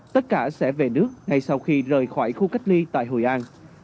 tất cả sẽ về nước ngay sau khi rời khỏi khu cách ly tại hội an